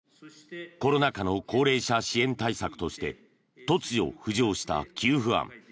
コロナ禍の高齢者支援対策として突如浮上した給付案。